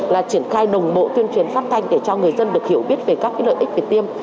là triển khai đồng bộ tuyên truyền phát thanh để cho người dân được hiểu biết về các lợi ích về tiêm